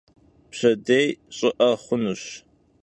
Pşedêy ş'ı'e xhunuş.